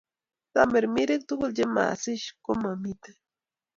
tamirmirk tuguk che masish ko mamiten